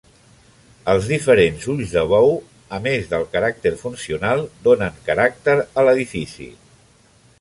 Els diferents ulls de bou, a més del caràcter funcional, donen caràcter a l'edifici.